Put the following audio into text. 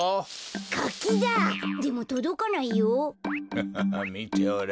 ハハハみておれ。